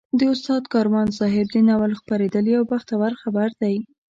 د استاد کاروان صاحب د ناول خپرېدل یو بختور خبر دی.